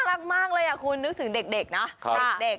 น่ารักมากเลยอ่ะคุณนึกถึงเด็ก